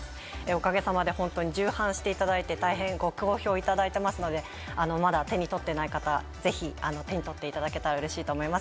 おかげさまでホントに重版していただいて大変ご好評いただいてますのでまだ手に取ってない方ぜひ手に取っていただけたらうれしいと思います。